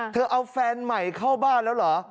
เอาแฟนใหม่เข้าบ้านแล้วเหรอ